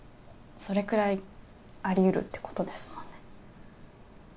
それくらいありうるってことですもんね